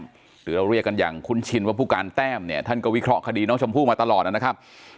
หรือเราเรียกกันอย่างคุ้นชินว่าผู้การแต้มเนี่ยท่านก็วิเคราะห์คดีน้องชมพู่มาตลอดนะครับ